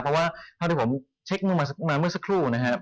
เพราะว่าเท่าที่ผมเช็คมาเมื่อสักครู่นะครับ